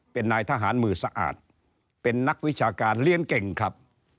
เป็นนายทหารมือสะอาดเป็นนักวิชาการเรียนเก่งครับ